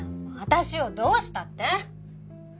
私をどうしたって？